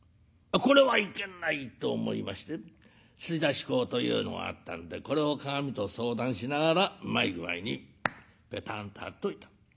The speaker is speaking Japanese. これはいけないと思いまして吸出膏というのがあったんでこれを鏡と相談しながらうまい具合にぺたんと貼っといた。